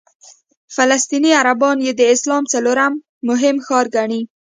فلسطیني عربان یې د اسلام څلورم مهم ښار ګڼي.